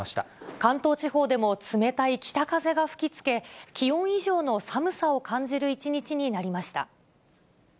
関東地方でも冷たい北風が吹きつけ、気温以上の寒さを感じる一日になりました。